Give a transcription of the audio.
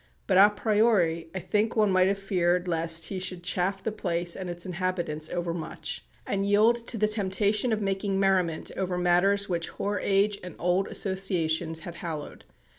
But à priori, I think one might have feared lest he should "chaff" the place and its inhabitants overmuch, and yield to the temptation of making merriment over matters which hoar age and old associations had hallowed.